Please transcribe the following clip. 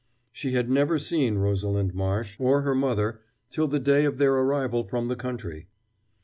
She had never seen Rosalind Marsh, or her mother, till the day of their arrival from the country.